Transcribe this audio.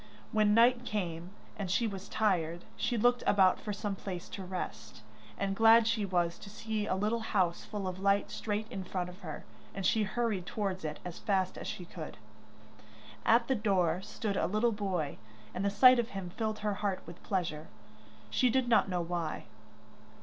When night came, and she was tired, she looked about for some place to rest, and glad she was to see a little house full of light straight in front of her, and she hurried towards it as fast as she could. At the door stood a little boy, and the sight of him filled her heart with pleasure, she did not know why.